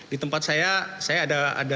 di tempat saya saya ada